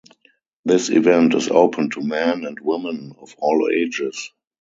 This event is open to men and women of all ages.